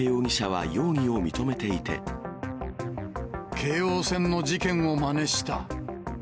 京王線の事件をまねした。